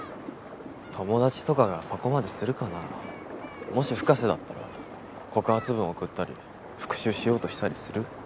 友達とかがそこまでするかなもし深瀬だったら告発文送ったり復讐しようとしたりする？